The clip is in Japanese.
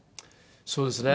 そうですね。